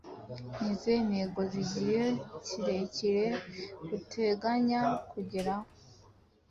Ni izihe ntego zigihe kirekire uteganya kugeraho